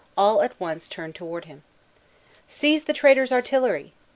all at once turned toward him. "Seize the traitor's artillery!"